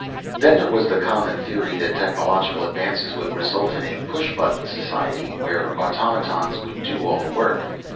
"Then there was the common theory that technological advances would result in a push button society, where automatons would do all the work.